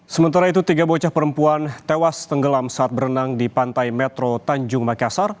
sementara itu tiga bocah perempuan tewas tenggelam saat berenang di pantai metro tanjung makassar